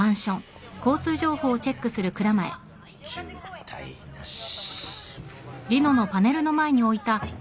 渋滞なし。